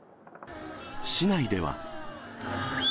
市内では。